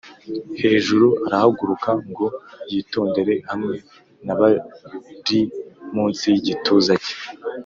hejuru, arahaguruka ngo yitondere, hamwe na barri munsi yigituza cye,